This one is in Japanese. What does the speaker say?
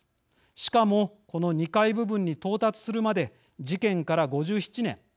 しかも、この２階部分に到達するまで事件から５７年。